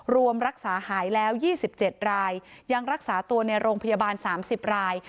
รวมรักษาหายแล้ว๒๗รายยังรักษาตัวในโรงพยาบาล๓๐ราย